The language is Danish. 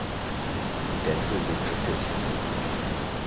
Hun dansede lidt for tæt.